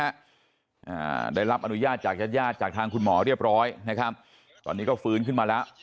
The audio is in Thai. อ่าได้รับอนุญาตจากญาติญาติจากทางคุณหมอเรียบร้อยนะครับตอนนี้ก็ฟื้นขึ้นมาแล้ว